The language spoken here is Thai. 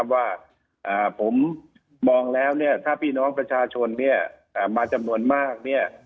ว่าผมมองแล้วถ้าพี่น้องประชาชนมาจำนวนมาก